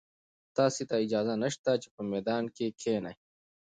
تاسي ته اجازه نشته چې په میدان کې کښېنئ.